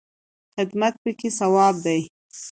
خدمت پکې ثواب دی